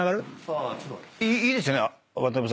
いいですよね？